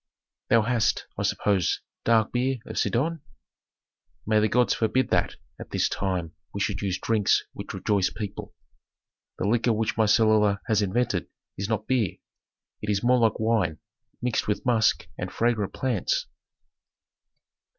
"Thou hast, I suppose, dark beer of Sidon?" "May the gods forbid that at this time we should use drinks which rejoice people. The liquor which my cellarer has invented is not beer; it is more like wine mixed with musk and fragrant plants."